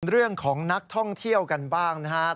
เรื่องของนักท่องเที่ยวกันบ้างนะครับ